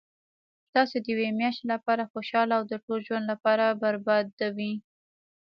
تاسو د یوې میاشتي لپاره خوشحاله او د ټول ژوند لپاره بربادوي